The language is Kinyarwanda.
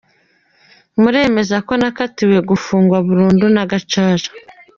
Muremeza ko nakatiwe gufungwa burundu na gacaca.